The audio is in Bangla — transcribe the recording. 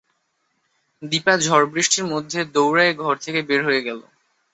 দিপা ঝড়-বৃষ্টির মধ্যে দৌড়ায়ে ঘর থেকে বের হয়ে গেল।